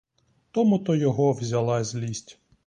Тому-то його взяла злість.